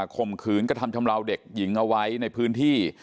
ข่มขืนกระทำชำราวเด็กหญิงเอาไว้ในพื้นที่